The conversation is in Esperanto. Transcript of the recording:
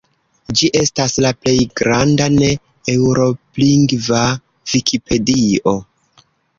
Ĝi estas la plej granda ne-eŭroplingva vikipedio.